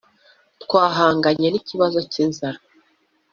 twahanganye n’ikibazo cy’inzara